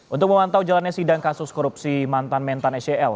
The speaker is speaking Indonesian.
untuk memantau jalannya sidang kasus korupsi mantan mentan sel